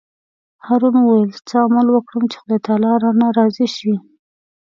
هارون وویل: څه عمل وکړم چې خدای تعالی رانه راضي شي.